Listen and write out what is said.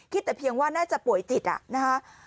แต่เพียงว่าน่าจะป่วยจิตนะคะ